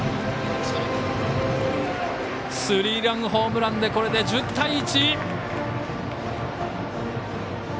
スリーランホームランでこれで１０対１！